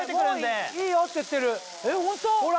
もういいよって言ってるほら！